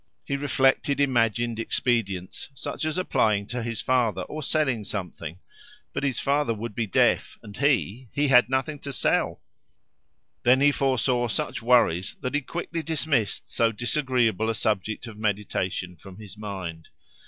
He reflected, imagined expedients, such as applying to his father or selling something. But his father would be deaf, and he he had nothing to sell. Then he foresaw such worries that he quickly dismissed so disagreeable a subject of meditation from his mind.